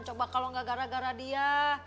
coba kalau nggak gara gara dia